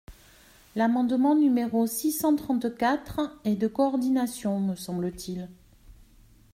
L’amendement n° six cent trente-quatre est de coordination, me semble-t-il.